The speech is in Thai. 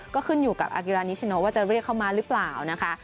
ก็ขึ้นอยู่กับอากิรานิชโนว่าจะเรียกเข้ามาหรือเปล่านะคะ